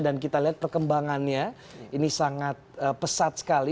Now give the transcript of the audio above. dan kita lihat perkembangannya ini sangat pesat sekali